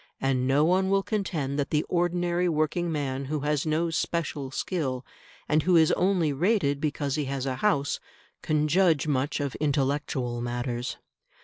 And no one will contend that the ordinary working man who has no special skill, and who is only rated because he has a house, can judge much of intellectual matters.